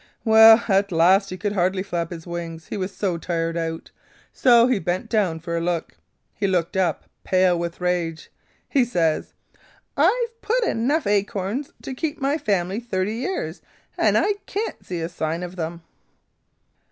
"Well, at last he could hardly flap his wings he was so tired out. So he bent down for a look. He looked up, pale with rage. He says: 'I've put in enough acorns to keep the family thirty years, and I can't see a sign of them.'